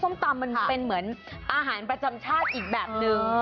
ตำมันเป็นเหมือนอาหารประจำชาติอีกแบบนึง